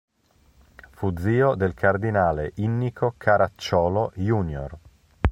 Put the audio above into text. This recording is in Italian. Fu zio del cardinale Innico Caracciolo "iunior".